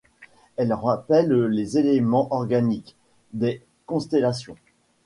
Elles rappellent des éléments organiques, des constellations.